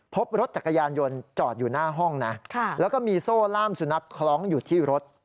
พบรถจักรยานยนต์จอดอยู่หน้าห้องนะแล้วก็มีโซ่ล่ามสุนัขคล้องอยู่ที่รถ